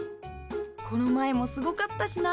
この前もすごかったしな。